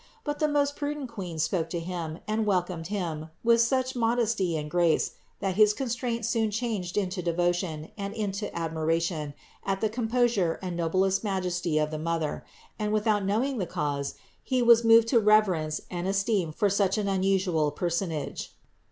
But the most prudent Queen spoke to him and welcomed him with such modesty and grace that his constraint soon changed into devotion and into admiration at the composure and noblest majesty of the Mother; and without knowing the cause he was moved to reverence and esteem for such an unusual personage.